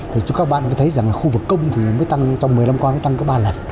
thì chúng các bạn mới thấy rằng là khu vực công thì mới tăng trong một mươi năm qua mới tăng có ba lần